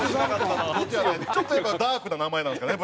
ちょっとダークな名前なんですかね